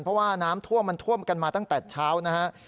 เพราะว่าน้ำท่วมมันท่วมกันมาตั้งแต่เช้านะฮะ